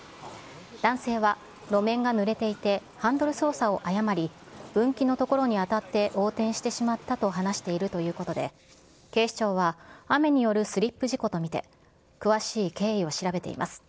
男性は路面がぬれていて、ハンドル操作を誤り、分岐の所に当たって横転してしまったと話しているということで、警視庁は、雨によるスリップ事故と見て、詳しい経緯を調べています。